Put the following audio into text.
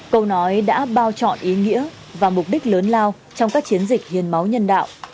câu nói đã bao chọn ý nghĩa và mục đích lớn lao trong các chiến dịch hiến máu nhân đạo